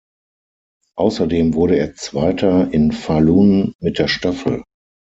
Außerdem wurde er Zweiter in Falun mit der Staffel.